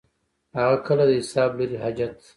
هغه کله د حساب لري حاجت.